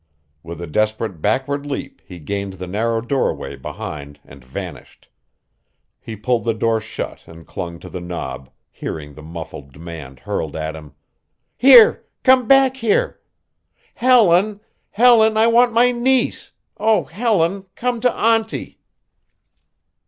With a desperate backward leap he gained the narrow doorway behind and vanished. He pulled the door shut and clung to the knob, hearing the muffled demand hurled at him: "Here! Come back here! Helen! Helen! I want my niece! Oh, Helen, come to auntie!"